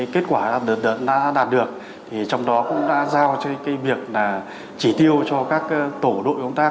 kết quả đợt đã đạt được trong đó cũng đã giao cho việc chỉ tiêu cho các tổ đội công tác